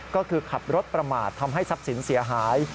ก็คือขับรถประมาททำให้ทรัพย์สินเสียหาย